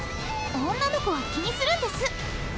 女の子は気にするんです。